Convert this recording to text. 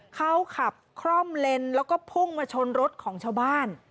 เขาขับคล่อมเลนแล้วก็พุ่งมาชนรถของชาวบ้าน